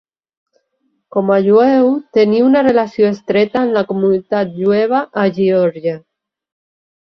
Com a jueu, tenia una relació estreta amb la comunitat jueva a Georgia.